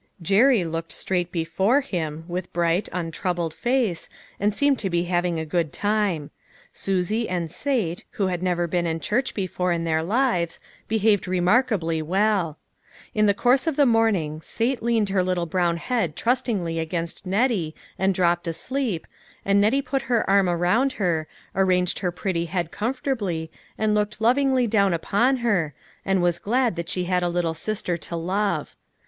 Jerry looked straight before him, with bright, untroubled face, and seemed to be having a good time. Susie and Sate, who had never been in church before in their lives, behaved remarkably well. In the course of the morning Sate leaned her little brown head trustingly against Nettie and dropped asleep, and Nettie put her arm around her, arranged her pretty head comfort ably, and looked lovingly down upon her, and was glad that she had a little sister to love.